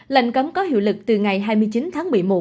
lệnh cấm có hiệu lực từ ngày hai mươi chín tháng một mươi một